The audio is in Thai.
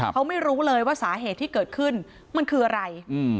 เขาไม่รู้เลยว่าสาเหตุที่เกิดขึ้นมันคืออะไร